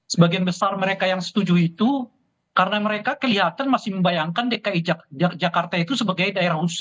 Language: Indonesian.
sebagian besar mereka yang setuju itu karena mereka kelihatan masih membayangkan dki jakarta itu sebagai daerah khusus